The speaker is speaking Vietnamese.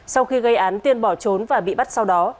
sau khi gây án tiên bỏ trốn và bị bắt sau đó